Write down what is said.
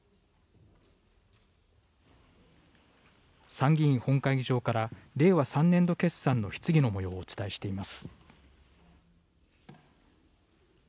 参議院本会議場から、令和３年度決算の質疑のもようをお伝えしています。